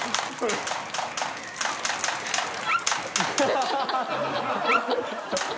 ハハハハ！